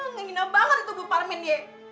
nginget banget itu bu parmin ya